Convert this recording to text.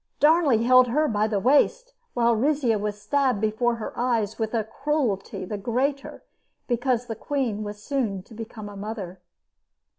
Darnley held her by the waist while Rizzio was stabbed before her eyes with a cruelty the greater because the queen was soon to become a mother.